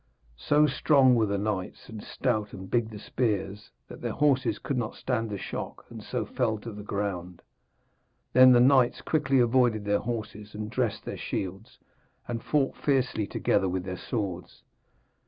So strong were the knights and stout and big the spears, that their horses could not stand the shock, and so fell to the ground. Then the knights quickly avoided their horses and dressed their shields, and fought fiercely together with their swords.